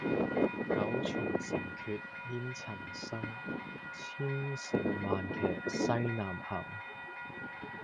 九重城闕煙塵生，千乘萬騎西南行。